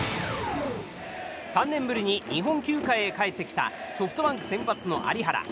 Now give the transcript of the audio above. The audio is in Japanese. ３年ぶりに日本球界へ帰ってきたソフトバンク先発の有原。